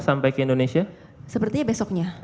sampai ke indonesia sepertinya besoknya